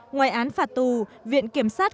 ngoài án phạt tù viện kiểm sát